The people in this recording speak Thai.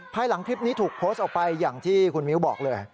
ภายหลังคลิปนี้ถูกโพสต์ออกไปอย่างที่คุณมิ้วบอกเลย